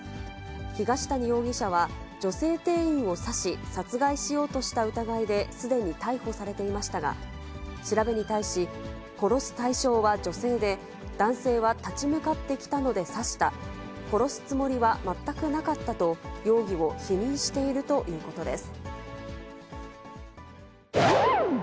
東谷容疑者は女性店員を刺し、殺害しようとした疑いですでに逮捕されていましたが、調べに対し、殺す対象は女性で、男性は立ち向かってきたので刺した、殺すつもりは全くなかったと、容疑を否認しているということです。